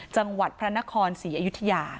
จังหวัดพระนครศรีอยุธยา